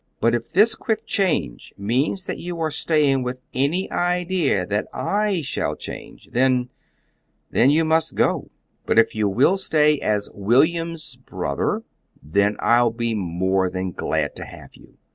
But if this quick change means that you are staying with any idea that that I shall change, then then you must go. But if you will stay as WILLIAM'S BROTHER then I'll be more than glad to have you."